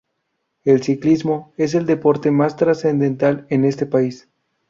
El ciclismo es el deporte más trascendental en este país.